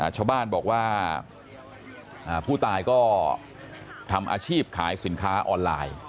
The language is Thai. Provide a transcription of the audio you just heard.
ชาวบ้านบอกว่าผู้ตายก็ทำอาชีพขายสินค้าออนไลน์